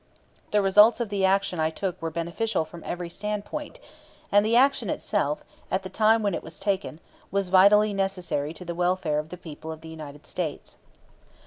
The results of the action I took were beneficial from every standpoint, and the action itself, at the time when it was taken, was vitally necessary to the welfare of the people of the United States.